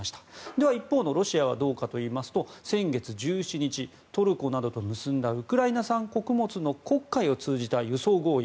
では一方のロシアはどうかといいますと先月１７日トルコなどと結んだウクライナ産穀物の黒海を通じた輸送合意